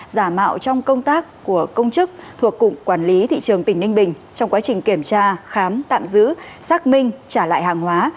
giả mạo trong công tác của công chức thuộc cục quản lý thị trường tỉnh ninh bình trong quá trình kiểm tra khám tạm giữ xác minh trả lại hàng hóa